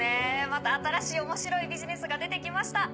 また新しい面白いビジネスが出て来ました。